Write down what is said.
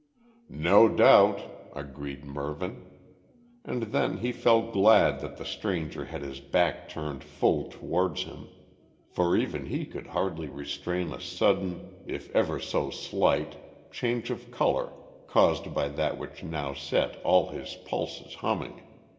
"No doubt," agreed Mervyn. And then he felt glad that the stranger had his back turned full towards him, for even he could hardly restrain a sudden, if ever so slight change of colour caused by that which now set all his pulses humming.